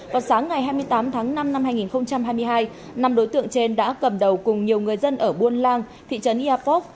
vào sáng ngày hai mươi tám tháng năm năm hai nghìn hai mươi hai năm đối tượng trên đã cầm đầu cùng nhiều người dân ở buôn lang thị trấn iapop